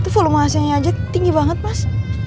volume ac nya aja tinggi banget mas